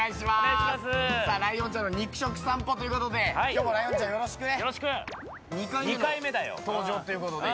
ライオンちゃんの肉食さんぽということで今日もライオンちゃんよろしくね。